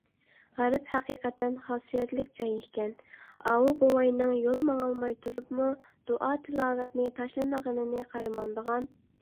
غەرب ھەقىقەتەن خاسىيەتلىك جاي ئىكەن، ئاۋۇ بوۋاينىڭ يول ماڭالماي تۇرۇپمۇ دۇئا - تىلاۋەتنى تاشلىمىغىنىنى قارىمامدىغان!